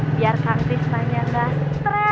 biar kang tisna nya gak stres